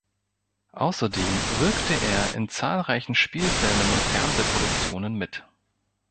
Außerdem wirkte er in zahlreichen Spielfilmen und Fernsehproduktionen mit.